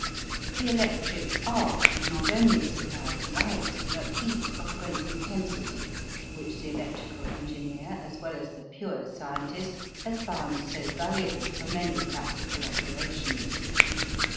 The electric arc not only supplies light, but heat of great intensity which the electrical engineer as well as the pure scientist has found so valuable for many practical operations.